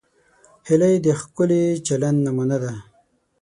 هیلۍ د ښکلي چلند نمونه ده